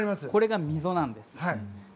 これが溝なんです。